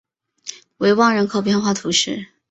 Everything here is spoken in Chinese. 维旺人口变化图示